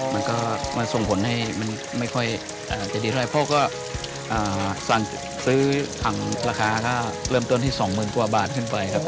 มันก็มันส่งผลให้มันไม่ค่อยอ่าจะดีใจเพราะก็อ่าสั่งซื้อถังราคาค่ะเริ่มต้นที่สองหมื่นกว่าบาทขึ้นไปครับ